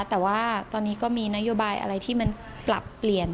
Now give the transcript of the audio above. แต่ว่าตอนนี้ก็มีนโยบายอะไรที่มันปรับเปลี่ยน